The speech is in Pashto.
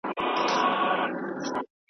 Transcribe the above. په جنازه کي یې اویا زرو ملکو ژړل .